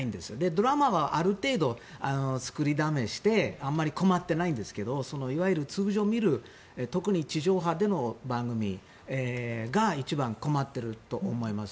ドラマはある程度、作りだめしてあまり困ってないんですけどいわゆる通常、見る特に地上波での番組が一番困っていると思います。